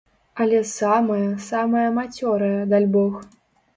Але самая, самая мацёрая, дальбог.